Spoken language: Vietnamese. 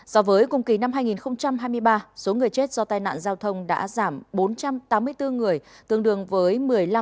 so với cùng kỳ năm hai nghìn hai mươi ba số người chết do tai nạn giao thông đã giảm bốn trăm tám mươi bốn người tương đương với một mươi năm